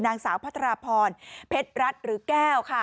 นางสาวพัทรพรเพชรรัฐหรือแก้วค่ะ